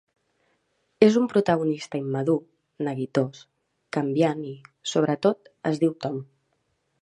És un protagonista immadur, neguitós, canviant i, sobretot, es diu Tom.